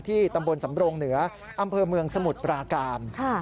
ตำบลสำรงเหนืออำเภอเมืองสมุทรปราการ